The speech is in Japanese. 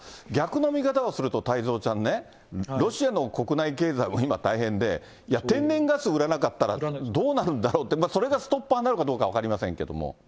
逆の見方をすると、太蔵ちゃんね、ロシアの国内経済も今、大変で、天然ガスを売らなかったらどうなるんだろうって、それがストッパーになるかどうか分かりませんけれども。